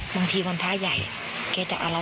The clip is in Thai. แล้วแบบว่ากลับมาทำของสายตัวเรา